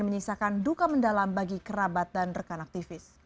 menyisakan duka mendalam bagi kerabat dan rekan aktivis